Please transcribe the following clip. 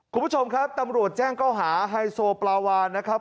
คุณผู้ชมครับตำรวจแจ้งเก้าหาไฮโซปลาวานนะครับ